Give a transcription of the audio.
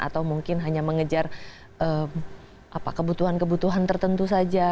atau mungkin hanya mengejar kebutuhan kebutuhan tertentu saja